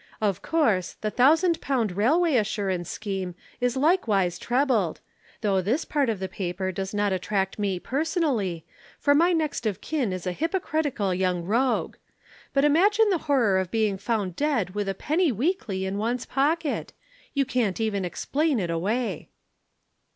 Of course, the thousand pound railway assurance scheme is likewise trebled, though this part of the paper does not attract me personally, for my next of kin is a hypocritical young rogue. But imagine the horror of being found dead with a penny weekly in one's pocket! You can't even explain it away.'